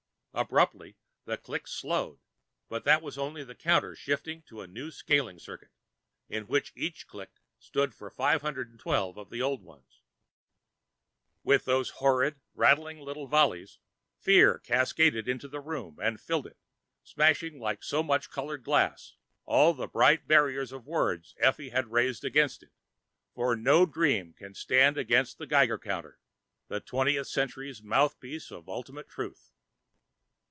Abruptly the clicks slowed, but that was only the counter shifting to a new scaling circuit, in which each click stood for 512 of the old ones. With those horrid, rattling little volleys, fear cascaded into the room and filled it, smashing like so much colored glass all the bright barriers of words Effie had raised against it. For no dreams can stand against the Geiger counter, the Twentieth Century's mouthpiece of ultimate truth.